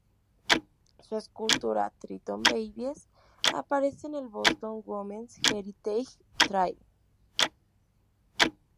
Su escultura "Triton Babies" aparece en el Boston Women's Heritage Trail.